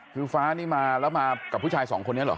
คือฟ้านี่มาแล้วมากับผู้ชายสองคนนี้เหรอ